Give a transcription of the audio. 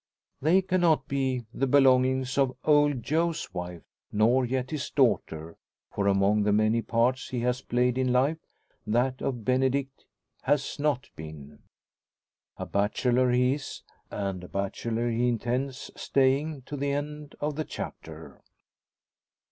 They cannot be the belongings of "Old Joe's" wife, nor yet his daughter; for among the many parts he has played in life, that of Benedict has not been. A bachelor he is, and a bachelor he intends staying to the end of the chapter.